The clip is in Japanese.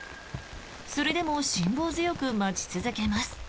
それでも辛抱強く待ち続けます。